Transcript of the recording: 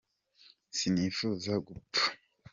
sinifuza gupfa.